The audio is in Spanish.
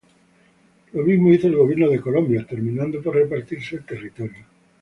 Lo mismo hizo el gobierno de Colombia, terminando por repartirse el territorio.